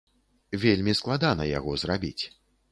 Вельмі складана яго зрабіць.